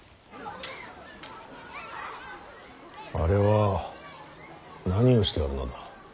あれは何をしておるのだ。